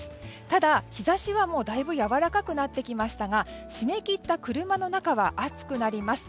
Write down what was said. ただ日差しは、だいぶやわらかくなってきましたが閉め切った車の中は暑くなります。